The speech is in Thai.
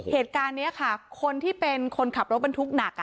เหตุการณ์นี้ค่ะคนที่เป็นคนขับรถบรรทุกหนัก